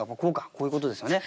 こういうことですよね。